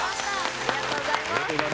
ありがとうございます。